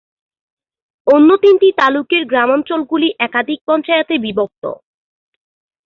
অন্য তিনটি তালুকের গ্রামাঞ্চল গুলি একাধিক পঞ্চায়েতে বিভক্ত।